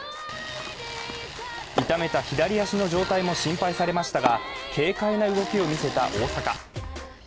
痛めた左足の状態も心配されましたが、軽快な動きを見せた大坂。